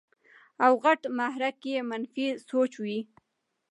او غټ محرک ئې منفي سوچ وي -